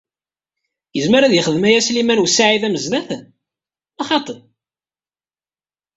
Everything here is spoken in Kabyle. Izmer ad yexdem aya Sliman u Saɛid Amezdat, neɣ xaṭi?